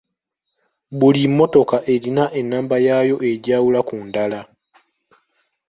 Buli mmotoka erina ennamba yaayo egyawula ku ndala.